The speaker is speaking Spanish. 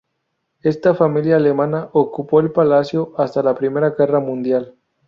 Esta familia alemana ocupó el palacio hasta la Primera Guerra Mundial.